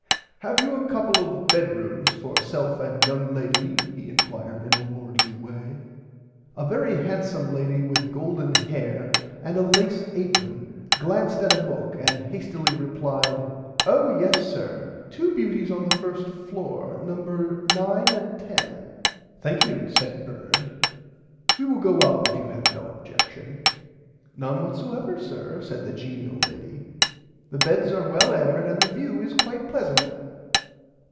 Have you a coupple [Pg 77] of bedrooms for self and young lady he enquired in a lordly way. A very handsome lady with golden hair and a lace apron glanced at a book and hastilly replied Oh yes sir two beauties on the 1st floor number 9 and 10. Thankyou said Bernard we will go up if you have no objection. None whatever sir said the genial lady the beds are well aired and the view is quite pleasant.